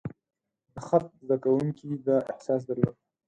د خط زده کوونکي دا احساس درلود.